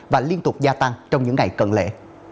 và liên tục gia tăng trong những ngày cận lễ